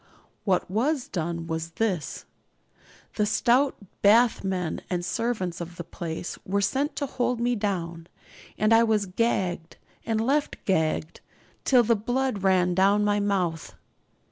What was done was this: the stout bathmen and servants of the place were sent to hold me down; and I was gagged, and left gagged, till the blood ran down from my mouth.